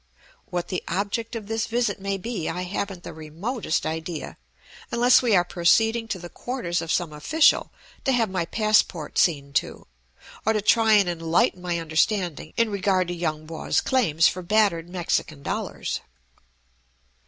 What the object of this visit may be I haven't the remotest idea, unless we are proceeding to the quarters of some official to have my passport seen to, or to try and enlighten my understanding in regard to Yung Po's claims for battered Mexican dollars.